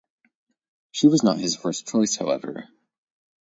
She was not his first choice however.